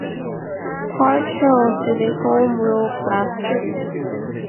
Park Hills is a home rule-class city.